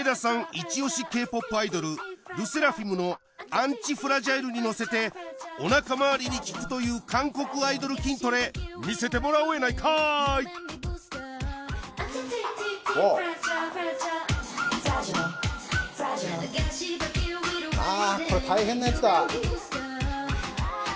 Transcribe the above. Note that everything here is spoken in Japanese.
イチオシＫ−ＰＯＰアイドルＬＥＳＳＥＲＡＦＩＭの「ＡＮＴＩＦＲＡＧＩＬＥ」にのせておなかまわりに効くという韓国アイドル筋トレ見せてもらおうやないかいあ